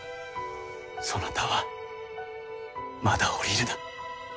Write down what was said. そなたはまだ降りるな。